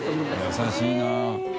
優しいね。